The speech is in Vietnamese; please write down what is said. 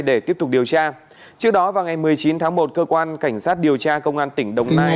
để tiếp tục điều tra trước đó vào ngày một mươi chín tháng một cơ quan cảnh sát điều tra công an tỉnh đồng nai